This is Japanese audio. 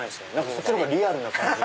そっちの方がリアルな感じ